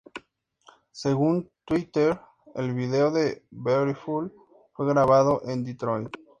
Según Twitter, el video de "Beautiful" fue grabado en Detroit.